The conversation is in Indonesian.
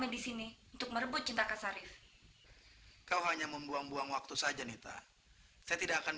di sini untuk merebut cinta ksarif kau hanya membuang buang waktu saja nita saya tidak akan